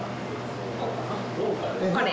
これ。